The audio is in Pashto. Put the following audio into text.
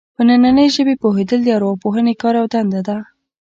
پر دنننۍ ژبې پوهېدل د ارواپوهنې کار او دنده ده